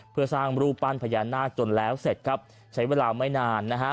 เพื่อสร้างรูปปั้นพญานาคจนแล้วเสร็จครับใช้เวลาไม่นานนะฮะ